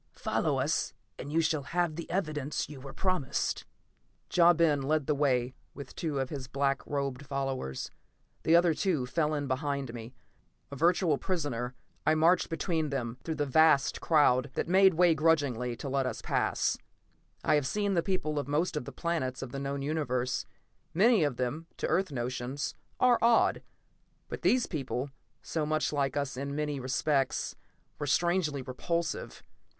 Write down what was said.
Follow us and you shall have the evidence you were promised." Ja Ben led the way with two of his black robed followers. The other two fell in behind me. A virtual prisoner, I marched between them, through the vast crowd that made way grudgingly to let us pass. I have seen the people of most of the planets of the known Universe. Many of them, to Earth notions, are odd. But these people, so much like us in many respects, were strangely repulsive.